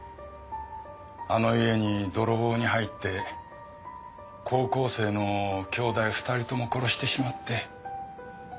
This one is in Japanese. あの家に泥棒に入って高校生の兄弟２人とも殺してしまって。